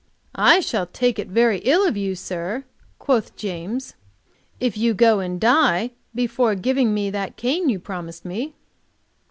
"I shall take it very ill of you, sir," quoth James, "if you go and die before giving me that cane you promised me."